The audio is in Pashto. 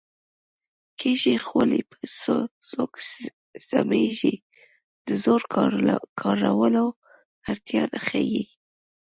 کږې خولې په سوک سمېږي د زور کارولو اړتیا ښيي